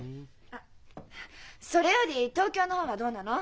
あっそれより東京の方はどうなの？